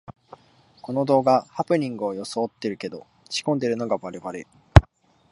この動画、ハプニングをよそおってるけど仕込んでるのがバレバレ